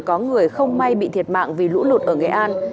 có người không may bị thiệt mạng vì lũ lụt ở nghệ an